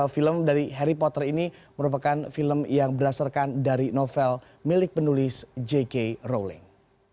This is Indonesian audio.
film dari harry potter ini merupakan film yang berdasarkan dari novel milik penulis jk rolling